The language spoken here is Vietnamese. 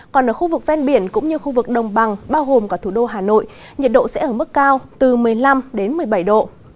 còn ở khu vực ven biển cũng như khu vực đồng bằng bao gồm cả thủ đô hà nội nhiệt độ sẽ ở mức cao từ một mươi năm đến một mươi bảy độ